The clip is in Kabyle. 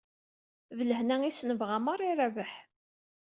D lehna i s-nebɣa merra i Rabaḥ.